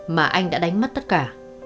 mà anh đã đánh mất tất cả